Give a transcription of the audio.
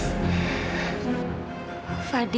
saya ingin mengurus semuanya sendiri